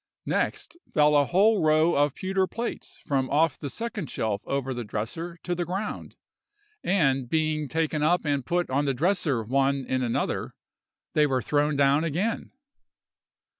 Next fell a whole row of pewter plates from off the second shelf over the dresser to the ground, and, being taken up and put on the dresser one in another, they were thrown down again.